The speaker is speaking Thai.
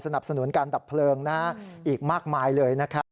สนับสนุนการดับเพลิงอีกมากมายเลยนะครับ